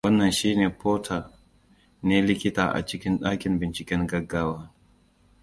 wannan shi ne porter ne likita a cikin dakin binciken gaggawa